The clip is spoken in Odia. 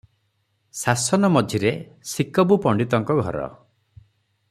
ଶାସନ ମଝିରେ ଶିକବୁ ପଣ୍ତିତଙ୍କ ଘର ।